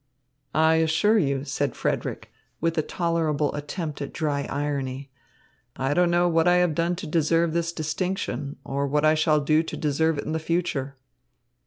"I assure you," said Frederick, with a tolerable attempt at dry irony, "I don't know what I have done to deserve this distinction, or what I shall do to deserve it in the future."